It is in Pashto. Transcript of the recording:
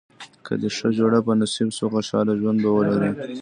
که دې ښه جوړه په نصیب شوه خوشاله ژوند به ولرې.